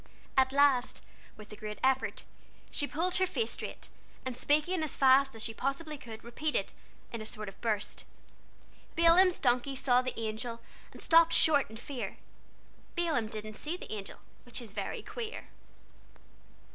At last, with a great effort, she pulled her face straight, and speaking as fast as she possibly could, repeated, in a sort of burst: "Balaam's donkey saw the Angel, And stopped short in fear. Balaam didn't see the Angel, Which is very queer."